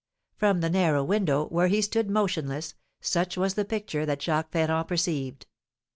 From the narrow window, where he stood motionless, such was the picture that Jacques Ferrand perceived.